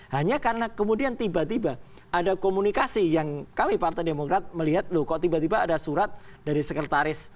hanya karena kemudian tiba tiba ada komunikasi yang kami partai demokrat melihat loh kok tiba tiba ada surat dari sekretaris